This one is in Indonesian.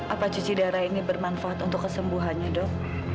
apa cuci darah ini bermanfaat untuk kesembuhannya dok